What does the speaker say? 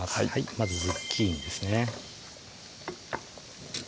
まずズッキーニですね